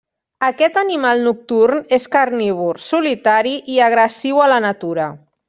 Aquest animal nocturn és carnívor, solitari i agressiu a la natura.